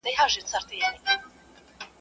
لټي د گناه مور ده.